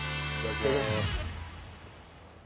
いただきます。